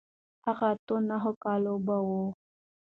هغه اتو نهو کالو به و.